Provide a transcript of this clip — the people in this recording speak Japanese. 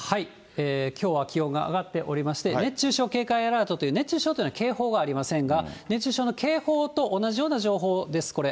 きょうは気温が上がっておりまして、熱中症警戒アラートという熱中症というのは警報はありませんが、熱中症の警報と同じような情報です、これ。